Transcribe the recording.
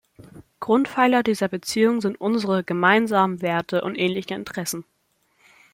Grundpfeiler dieser Beziehungen sind unsere gemeinsamen Werte und ähnlichen Interessen.